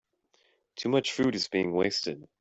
Too much food is being wasted.